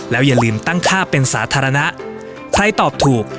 อย่าลืมตั้งค่าเป็นสาธารณะใครตอบถูก